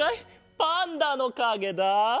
パンダのかげだ。